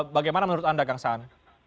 bagaimana menurut anda kang saan